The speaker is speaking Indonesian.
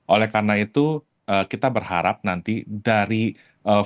oleh karena itu kita berharap nanti dari pemerintah